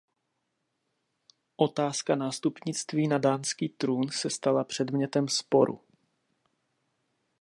Otázka nástupnictví na dánský trůn se stala předmětem sporu.